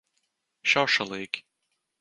Šaušalīgi.